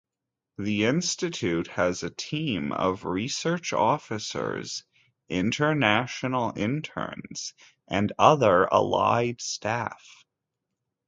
The institute has a team of research officers, international interns and other allied staff.